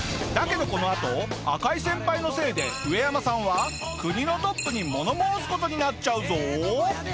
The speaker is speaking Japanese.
どこのあと赤井先輩のせいでウエヤマさんは国のトップにもの申す事になっちゃうぞ！